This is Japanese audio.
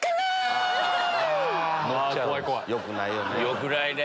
よくないね。